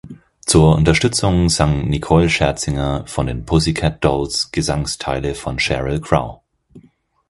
Zur Unterstützung sang Nicole Scherzinger von den Pussycat Dolls Gesangs-Teile von Sheryl Crow.